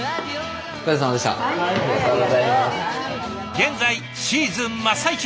現在シーズン真っ最中！